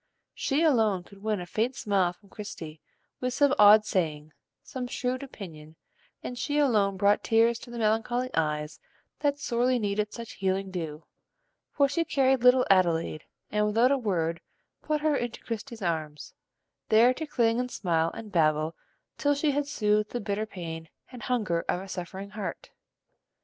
She alone could win a faint smile from Christie with some odd saying, some shrewd opinion, and she alone brought tears to the melancholy eyes that sorely needed such healing dew; for she carried little Adelaide, and without a word put her into Christie's arms, there to cling and smile and babble till she had soothed the bitter pain and hunger of a suffering heart.